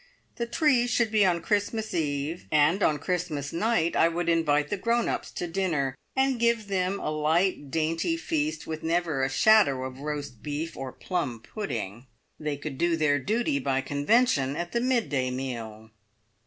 The tree should be on Christmas Eve, and on Christmas night I would invite the grown ups to dinner, and give them a light, dainty feast, with never a shadow of roast beef or plum pudding! They could do their duty by convention at the midday meal.